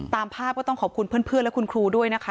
ตามภาพก็ต้องขอบคุณเพื่อนและคุณครูด้วยนะคะ